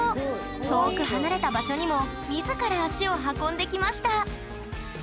遠く離れた場所にも自ら足を運んできました